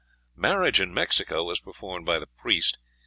Marriage in Mexico was performed by the priest.